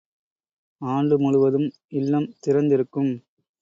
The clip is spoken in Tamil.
ஆண்டு முழுவதும் இல்லம் திறந்திருக்கும்.